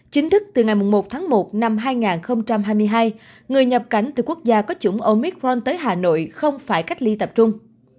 chính thức từ ngày một tháng một năm hai nghìn hai mươi hai người nhập cảnh từ quốc gia có chủng omicront tới hà nội không phải cách ly tập trung